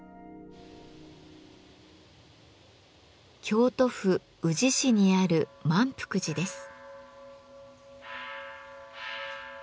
京都府宇治市にある萬福寺です。